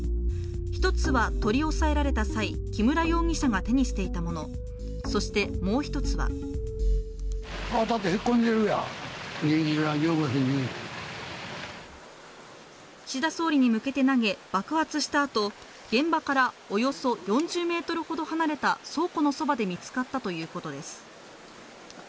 １つは取り押さえられた際、木村容疑者が手にしていたもの、そして、もう一つは岸田総理に向けて投げ、爆発したあと現場からおよそ４０ｍほど離れた倉庫のそばで見つかったということです。